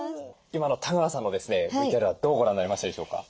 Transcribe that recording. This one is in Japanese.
今の多川さんのですねＶＴＲはどうご覧になりましたでしょうか？